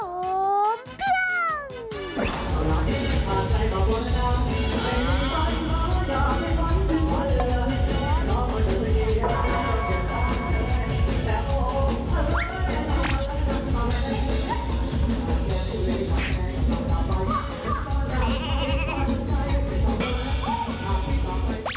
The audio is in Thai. โอ้มเพียง